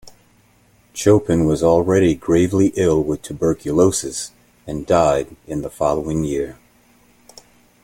Chopin was already gravely ill with tubercolosis and died in the following year.